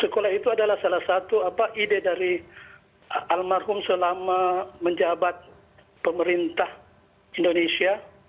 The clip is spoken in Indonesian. sekolah itu adalah salah satu ide dari almarhum selama menjabat pemerintah indonesia